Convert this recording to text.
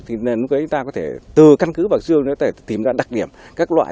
thì chúng ta có thể từ căn cứ và xương tìm ra đặc điểm các loại